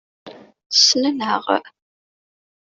Ssnen-aɣ.